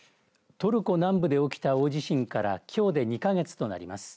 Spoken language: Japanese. トルコ南部で起きた大地震からきょうで２か月となります。